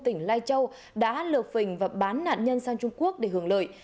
tỉnh lai châu đã lừa phình và bán nạn nhân sang trung quốc để hưởng lợi